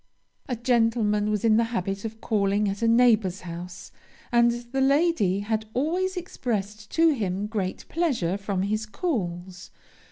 "A gentleman was in the habit of calling at a neighbor's house, and the lady had always expressed to him great pleasure from his calls.